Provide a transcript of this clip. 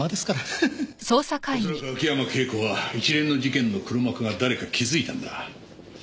おそらく秋山圭子は一連の事件の黒幕が誰か気づいたんだ。